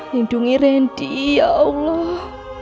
lindungi randy ya allah